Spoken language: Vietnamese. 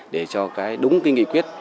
để cho cái đúng cái nghị quyết